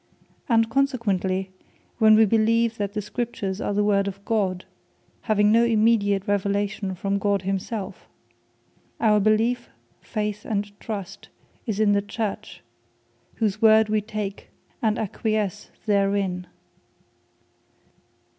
And consequently, when wee Believe that the Scriptures are the word of God, having no immediate revelation from God himselfe, our Beleefe, Faith, and Trust is in the Church; whose word we take, and acquiesce therein.